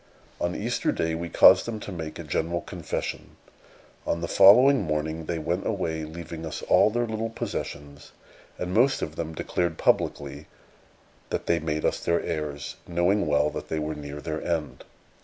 On Easter Day we caused them to make a general confession. On the following morning they went away, leaving us all their little possessions; and most of them declared publicly that they made us their heirs, knowing well that they were near their end.